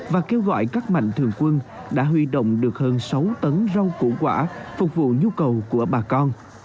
và kêu gọi các mạnh thường quân đã huy động được hơn sáu tấn rau củ quả phục vụ nhu cầu của bà con